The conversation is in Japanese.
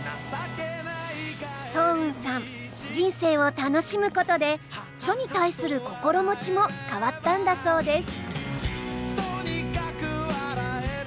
双雲さん人生を楽しむことで書に対する心持ちも変わったんだそうです。